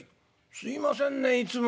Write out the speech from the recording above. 「すいませんねいつも。